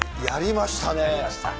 やりました。